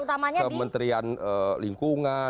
mungkin juga kementerian lingkungan